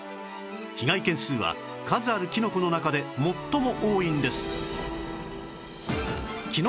被害件数は数あるキノコの中で最も多いんです